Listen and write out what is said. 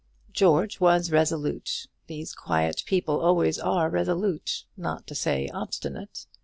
George was resolute; these quiet people always are resolute, not to say obstinate.